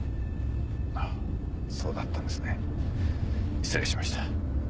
あぁそうだったんですね。失礼しました。